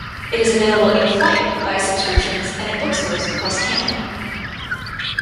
It is available in-flight, via subscriptions, and in bookstores across Canada.